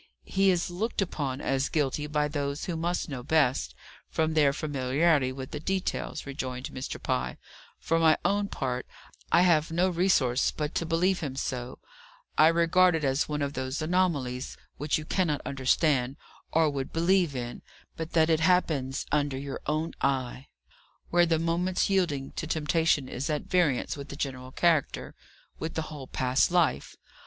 "He is looked upon as guilty by those who must know best, from their familiarity with the details," rejoined Mr. Pye, "For my own part, I have no resource but to believe him so, I regard it as one of those anomalies which you cannot understand, or would believe in, but that it happens under your own eye; where the moment's yielding to temptation is at variance with the general character, with the whole past life.